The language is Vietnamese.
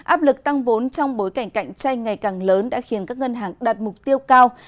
áp lực tăng vốn trong bối cảnh cạnh tranh ngày càng lớn đã khiến các ngân hàng đạt mục tiêu cao